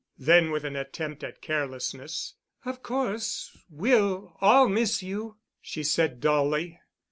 Then, with an attempt at carelessness, "Of course we'll all miss you," she said dully.